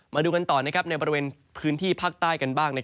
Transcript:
มาดูกันต่อในบริเวณพื้นที่ภาคใต้กันบ้าง